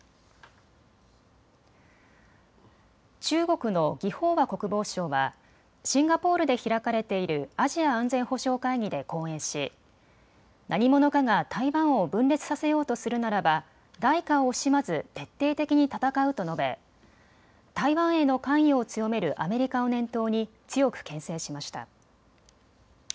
中国の魏鳳和国防相はシンガポールで開かれているアジア安全保障会議で講演し何者かが台湾を分裂させようとするならば代価を惜しまず徹底的に戦うと述べ、台湾への関与を強めるアメリカを念頭に強くけん制しました。